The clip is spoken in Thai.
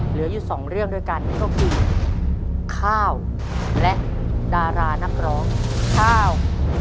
เหลืออยู่สองเรื่องด้วยกันนั่นก็คือข้าวและดารานักร้องข้าว